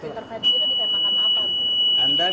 ini keemangan apa